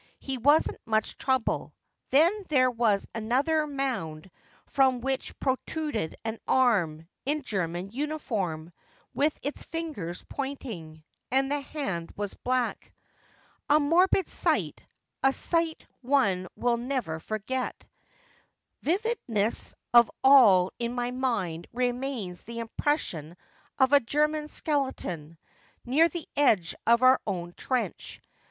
He wasn't much trouble. Then there was another mound from which protruded an arm, in German uniform, with its ringers pointing. And the hand was black. THE AFTERMATH 175 A morbid sight, a sight one will neyer forget. Vividest of all in my mind re mains the impression of a German skeleton, near the edge of our own trench.